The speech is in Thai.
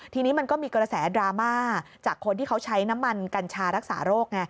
ทีนี้มันก็มีกระแสดราม่าจากคนที่เขาใช้น้ำมันกัญชารักษาโรคไง